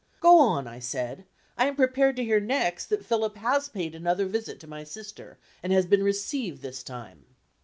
"Go on," I said; "I am prepared to hear next that Philip has paid another visit to my sister, and has been received this time."